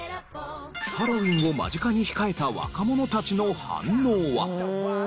ハロウィンを間近に控えた若者たちの反応は？